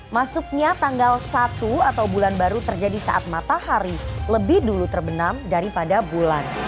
masuknya tanggal satu atau bulan baru terjadi saat matahari lebih dulu terbenam daripada bulan